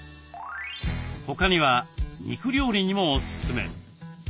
他には肉料理にもおすすめ。